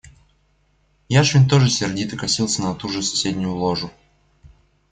Яшвин тоже сердито косился на ту же соседнюю ложу.